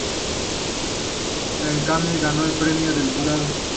En Cannes ganó el Premio del Jurado.